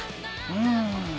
うん。